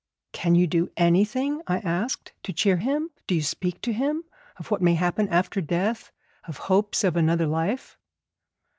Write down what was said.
'Can you do anything,' I asked, 'to cheer him? Do you speak to him of what may happen after death, of hopes of another life?'